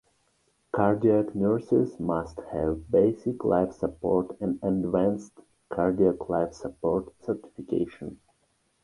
Cardiac nurses must have Basic Life Support and Advanced Cardiac Life Support certification.